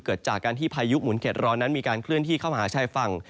เกิดจากการที่พายุหมุนเข็ดร้อนนั้นมีการเคลื่อนที่เข้ามาหาชายฝั่ง